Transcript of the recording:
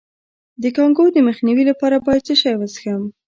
د کانګو د مخنیوي لپاره باید څه شی وڅښم؟